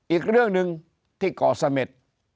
อีกเรื่องหนึ่งที่ก่อเสม็ด